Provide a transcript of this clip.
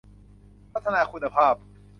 พัฒนาคุณภาพ